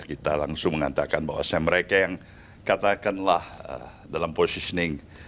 kita langsung mengatakan bahwasannya mereka yang katakanlah dalam positioning